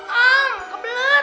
kamu beneran mencret